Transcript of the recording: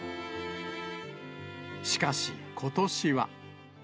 しかしことしは。